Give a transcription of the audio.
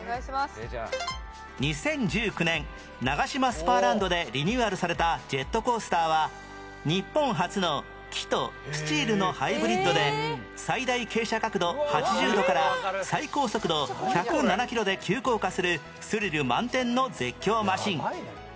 ２０１９年ナガシマスパーランドでリニューアルされたジェットコースターは最大傾斜角度８０度から最高速度１０７キロで急降下するスリル満点の絶叫マシン